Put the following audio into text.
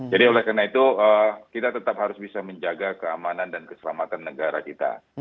jadi oleh karena itu kita tetap harus bisa menjaga keamanan dan keselamatan negara kita